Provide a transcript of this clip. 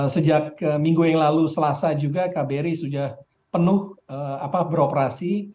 sejak minggu yang lalu selasa juga kbri sudah penuh beroperasi